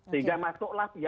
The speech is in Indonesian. sehingga masuklah pihak ketiga